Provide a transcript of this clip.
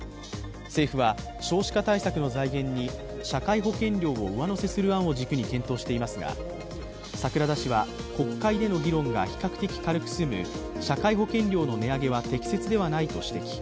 政府は少子化対策の財源に社会保険料を上乗せする案を軸に検討していますが櫻田氏は国会での議論が比較的軽く済む社会保険料の値上げは適切ではないと指摘。